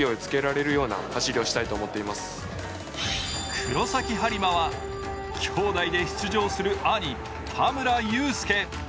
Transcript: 黒崎播磨は、兄弟で出場する兄・田村友佑。